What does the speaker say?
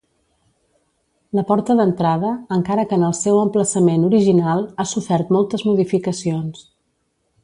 La porta d'entrada, encara que en el seu emplaçament original, ha sofert moltes modificacions.